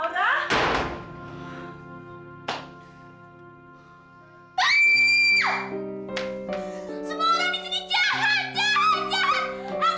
aku nggak suka sama mami sempat jadi aku benci